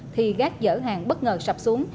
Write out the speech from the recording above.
thì gác dở hàng bất ngờ sập xuống